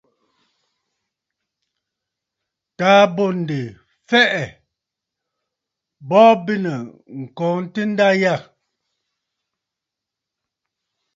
Taà bô ǹdè fɛʼɛ, bɔɔ bênə̀ ŋ̀kɔɔntə nda yâ.